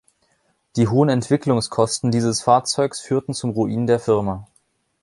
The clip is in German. Die hohen Entwicklungskosten dieses Fahrzeugs führten zum Ruin der Firma.